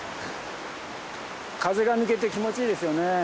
風が抜けて気持ちいいですよね。